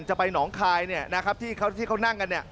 จะไปหนองคลายที่เขานั่งกัน